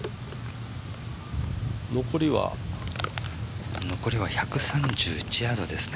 残りは１３１ヤードですね。